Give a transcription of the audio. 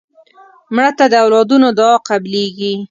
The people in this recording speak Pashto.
مړه ته د اولادونو دعا قبلیږي